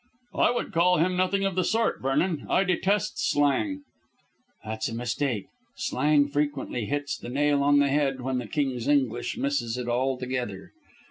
"I would call him nothing of the sort, Vernon. I detest slang." "That's a mistake. Slang frequently hits the nail on the head when the King's English misses it altogether.